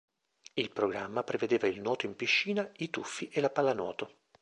Il programma prevedeva il nuoto in piscina, i tuffi e la pallanuoto.